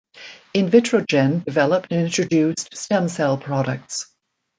Invitrogen developed and introduced stem cell products.